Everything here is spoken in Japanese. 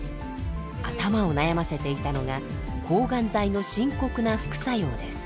頭を悩ませていたのが抗がん剤の深刻な副作用です。